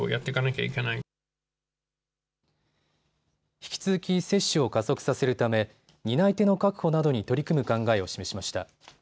引き続き接種を加速させるため担い手の確保などに取り組む考えを示しました。